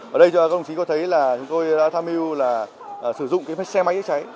ở đây các công chí có thấy là chúng tôi đã tham mưu là sử dụng cái xe máy chữa cháy